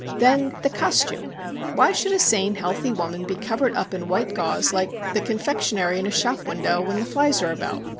Then the costume. Why should a sane healthy woman be covered up in white gauze like the confectionery in a shop window when the flies are about?